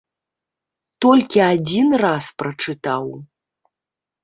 Толькі адзін раз прачытаў.